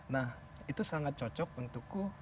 nah itu sangat cocok untukku